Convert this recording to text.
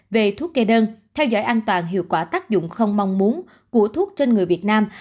về thuốc kê đơn theo dõi an toàn hiệu quả tác dụng không mong muốn của thuốc trên người việt nam